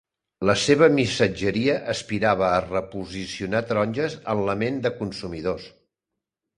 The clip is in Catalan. La seva missatgeria aspirava a reposicionar taronges en la ment de consumidors.